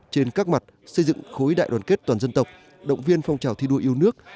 trên các mặt xây dựng khối đại đoàn kết toàn dân tộc động viên phong trào thi đua yêu nước